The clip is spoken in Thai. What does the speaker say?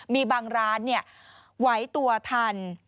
มีบางร้านไหวตัวทัน